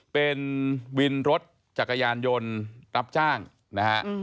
เป็นวินรถจักรยานยนต์รับจ้างนะฮะ